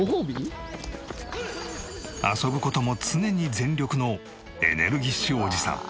遊ぶ事も常に全力のエネルギッシュおじさん。